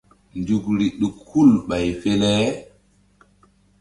Nzukri ɗuk hul ɓay fe le.